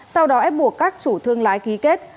sau đó ép buộc các chủ thương lái ký kết